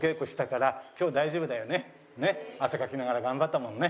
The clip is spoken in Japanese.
汗かきながら頑張ったもんね。